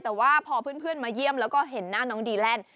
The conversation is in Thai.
แต่ว่าพอเพื่อนมาเยี่ยมแล้วก็เห็นหน้าน้องดีแลนด์